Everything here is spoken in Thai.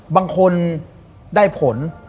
บางคนได้ผล